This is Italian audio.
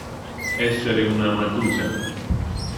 Essere una matusa.